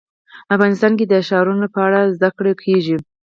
افغانستان کې د ښارونه په اړه زده کړه کېږي.